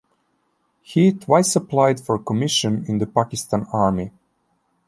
He twice applied for commission in the Pakistan Army.